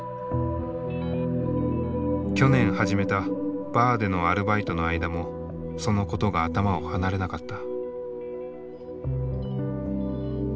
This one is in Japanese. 去年始めたバーでのアルバイトの間もそのことが頭を離れなかった。